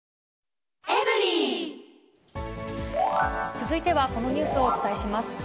続いては、このニュースをお伝えします。